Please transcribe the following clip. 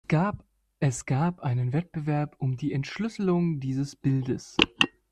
Es gab einen Wettbewerb um die Entschlüsselung dieses Bildes.